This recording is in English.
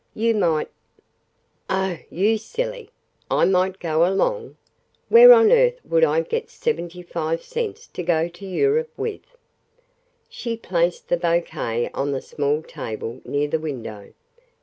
You might " "Oh, you silly! I might go along? Where on earth would I get seventy five cents to go to Europe with?" She placed the bouquet on the small table near the window.